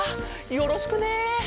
よろしくね。